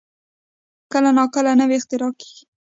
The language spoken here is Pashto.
کله نا کله نوې اختراع کېږي.